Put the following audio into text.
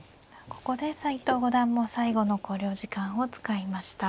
ここで斎藤五段も最後の考慮時間を使いました。